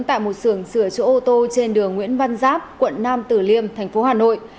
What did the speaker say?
tại một sưởng sửa chữa ô tô trên đường nguyễn văn giáp quận nam tử liêm thành phố hà nội